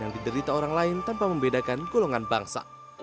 yang diderita orang lain tanpa membedakan golongan bangsa